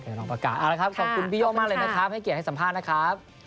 ต้องประกาศเอาละครับขอบคุณพี่โย่งมากเลยนะครับให้เกียรติให้สัมภาษณ์นะครับ